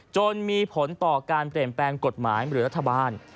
จนมีผลต่อการเปลี่ยนแปลงกฎหมายหรือรัฐบาล